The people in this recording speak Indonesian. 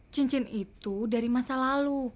cincin itu dari masa lalu